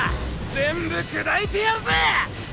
全部砕いてやるぜ！